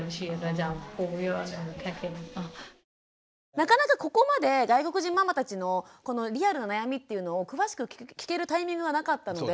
なかなかここまで外国人ママたちのこのリアルな悩みっていうのを詳しく聞けるタイミングがなかったので。